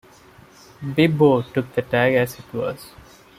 Bibbo took the tag as it was.